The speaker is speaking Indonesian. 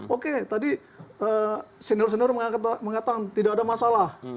oke tadi senior senior mengatakan tidak ada masalah